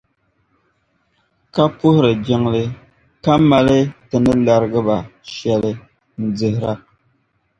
ka puhiri jiŋli, ka mali Ti ni larigi ba shɛli n-dihira.